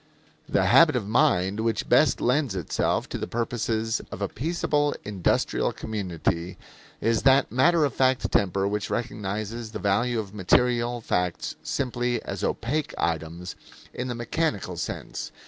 The habit of mind which best lends itself to the purposes of a peaceable, industrial community, is that matter of fact temper which recognizes the value of material facts simply as opaque items in the mechanical sequence.